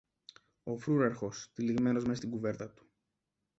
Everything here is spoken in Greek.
ο φρούραρχος, τυλιγμένος μες στην κουβέρτα του